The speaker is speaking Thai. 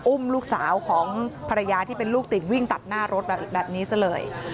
อุ้มลูกสาวของภรรยาที่เป็นลูกติดวิ่งตัดหน้ารถแบบนี้ซะเลย